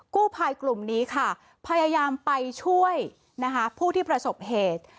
กู้ภัยกลุ่มนี้ค่ะพยายามไปช่วยนะคะผู้ที่ประสบเหตุ